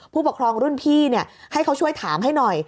ผู้ปกครองรุ่นพี่ให้เขาช่วยถามให้หน่อย